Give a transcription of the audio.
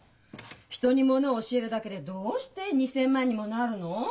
人にものを教えるだけでどうして２，０００万にもなるの？